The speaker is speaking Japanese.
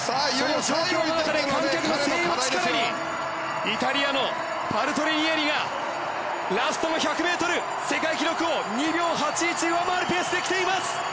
その状況の中で観客の声援を力にイタリアのパルトリニエリがラストの１００ｍ世界記録を２秒８１上回るペースで来ています。